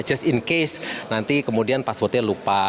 just in case nanti kemudian passwordnya lupa